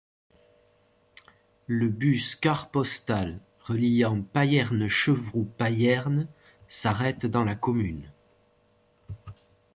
Le bus CarPostal reliant Payerne-Chevroux-Payerne s'arrête dans la commune.